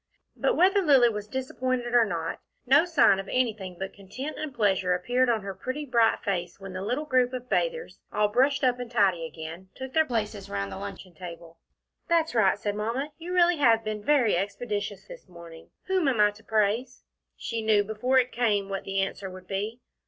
But whether Lilly was disappointed or not, no sign of anything but content and pleasure appeared on her pretty, bright face when the little group of bathers, all brushed up and tidy again, took their places round the luncheon table. "That's right," said Mamma. "You really have been very expeditious this morning. Whom am I to praise?" She knew before it came what the answer would be.